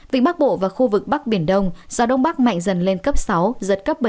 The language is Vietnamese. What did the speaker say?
vịnh bắc bộ và khu vực bắc biển đông gió đông bắc mạnh dần lên cấp sáu giật cấp bảy